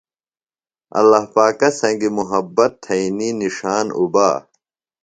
ﷲ پاکہ سنگیۡ محبت تھئینی نِݜان اُبا۔